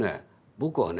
「僕はね